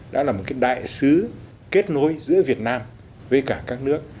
đã là một cái đại sứ kết nối giữa việt nam với cả các nước